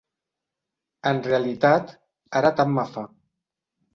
En realitat, ara tant me fa.